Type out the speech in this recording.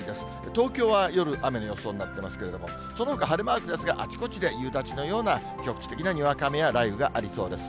東京は夜、雨の予想になっていますけれども、そのほか晴れマークですが、あちこちで夕立のような、局地的なにわか雨や雷雨がありそうです。